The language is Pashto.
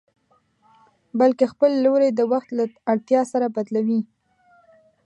بلکې خپل لوری د وخت له اړتيا سره بدلوي.